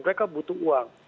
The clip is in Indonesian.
mereka butuh uang